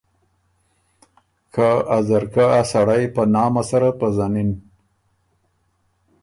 که ا ځرکه ا سړئ په نامه سره پزنِن